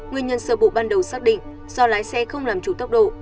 nguyên nhân sơ bộ ban đầu xác định do lái xe không làm chủ tốc độ